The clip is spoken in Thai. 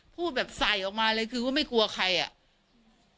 พูดแบบใส่ออกมาเลยคือว่าไม่กลัวใครอ่ะ